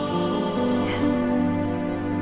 terus berutangku sayang